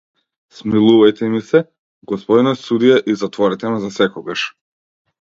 Смилувајте ми се, господине судија, и затворете ме засекогаш!